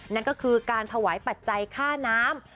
นั่นก็คือการถวายปัจจัยค่าน้ำ